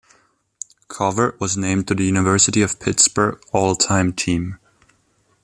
Covert was named to the University of Pittsburgh All-Time Team.